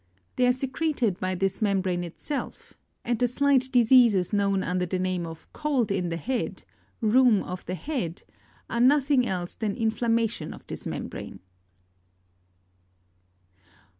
They are secreted by this membrane itself, and the slight diseases known under the name of cold in the head, rheum of the head, are nothing else than inflammation of this membrane.